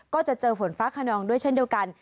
ก็จะเจอฝนฟ้าขนองด้วยเช่นเดียวกัน